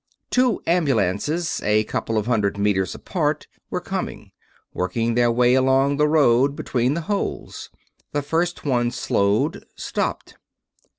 Two ambulances, a couple of hundred meters apart, were coming; working their way along the road, between the holes. The first one slowed ... stopped.